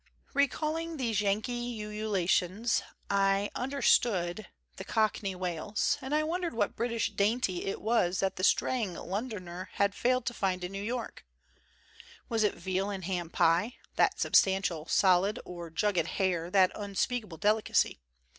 Recalling these Yankee ululations I under stood the cockney wails, and I wondered what British dainty it was that the straying Londoner 185 COSMOPOLITAN COOKERY had failed to find in New York. Was it veal and ham pie, that substantial solid, or jugged hare, that unspeakable delicacy?